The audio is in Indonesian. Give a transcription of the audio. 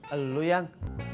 eh lu yang